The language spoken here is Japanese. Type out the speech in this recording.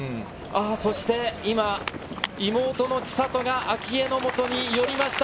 そして今、妹の千怜が明愛の元に寄りました。